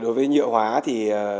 đối với nhựa hóa thì